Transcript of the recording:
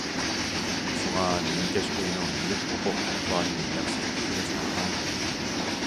شۇڭا نىمكەش ئۆينىڭ مۈلۈك ھوقۇق ئەھۋالىنى ياخشى ئىگىلەش ناھايىتى مۇھىم.